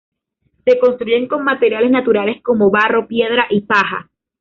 Se construye con materiales naturales como barro, piedra y paja.